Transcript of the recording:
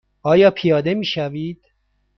آیا پیاده می شوید؟